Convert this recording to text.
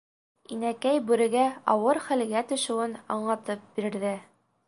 Инәкәй Бүрегә ауыр хәлгә төшөүен аңлатып бирҙе.